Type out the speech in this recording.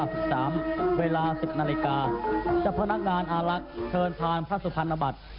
วันที่๔พฤษภาคม๒๔๙๓เวลา๑๐นาฬิกาจับพนักงานอาลักษณ์เชิญทางพระสุพรรณบัตร